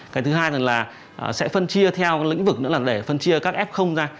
cái thứ hai là sẽ phân chia theo cái lĩnh vực nữa là để phân chia các f ra